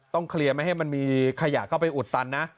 เคลียร์ไม่ให้มันมีขยะเข้าไปอุดตันนะ